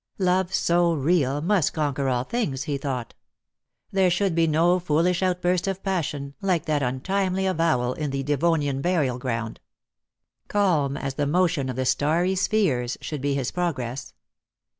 Love so real must conquer all things, he thought. There should be no foolish out burst of passion, like that untimely avowal in the Devonian burial ground. Calm as the motion of the starry spheres should be his progress.